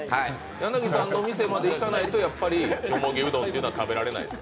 柳さんのお店まで行かないと、やっぱりよもぎうどんは食べられないんですか？